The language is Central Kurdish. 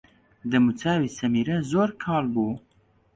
دەموچاوی سەمیرە زۆر کاڵ بوو.